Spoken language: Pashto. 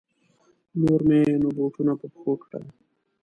نور مې نو بوټونه په پښو کړل.